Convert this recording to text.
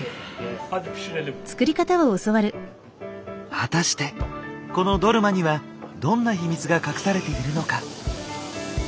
果たしてこのドルマにはどんな秘密が隠されているのか。